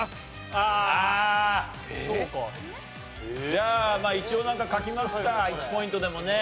じゃあ一応なんか書きますか１ポイントでもね。